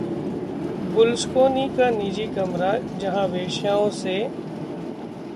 Berlusconi का निजी कमरा, जहां वेश्याओं से...